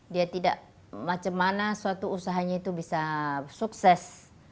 dia tidak macam mana suatu usahanya itu bisa sukses